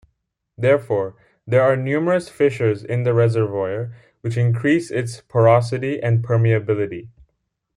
Therefore, there are numerous fissures in the reservoir which increase its porosity and permeability.